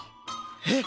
えっ！？